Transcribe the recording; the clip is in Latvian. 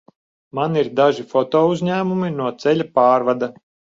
Man ir daži fotouzņēmumi no ceļa pārvada.